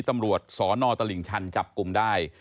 ตำรวจสนตลิ่งชันจับกลุ่มได้